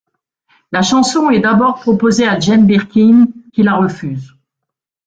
La chanson est d'abord proposée à Jane Birkin qui la refuse.